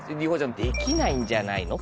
「できないんじゃないの？」と。